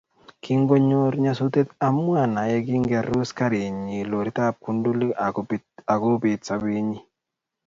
Kingonyor nyasutiet Amwana yekingerus garinyi loritab kundulik akobet sobenyi